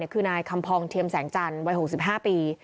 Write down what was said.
คือนายคำพองเทียมแสงจันทร์วัย๖๕ปี